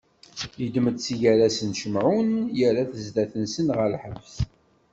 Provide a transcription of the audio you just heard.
Iddem-d si gar-asen Cimɛun, irra-t zdat-nsen ɣer lḥebs.